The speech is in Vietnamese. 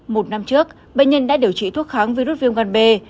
một năm trước bệnh nhân đã điều trị thuốc kháng virus viêm gan b